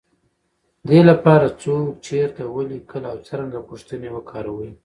دې لپاره، څوک، چېرته، ولې، کله او څرنګه پوښتنې وکاروئ.